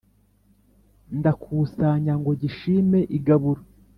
ndakusanya ngo gishime igaburo.